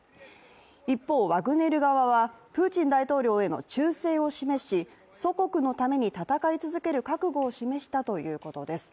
一方、ワグネル側はプーチン大統領への忠誠を示し祖国のために戦い続ける覚悟を示したということです。